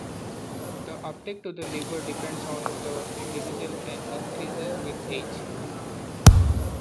The uptake to the liver depends on the individual and increases with age.